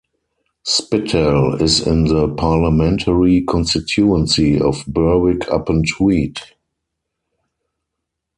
Spittal is in the parliamentary constituency of Berwick-upon-Tweed.